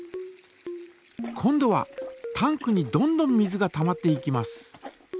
今度はタンクにどんどん水がたまっていきます。